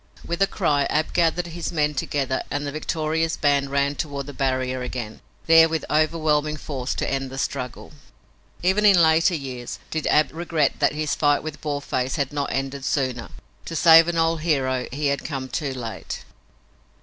With a cry Ab gathered his men together and the victorious band ran toward the barrier again, there with overwhelming force to end the struggle. Ever, in later years, did Ab regret that his fight with Boarface had not ended sooner. To save an old hero he had come too late.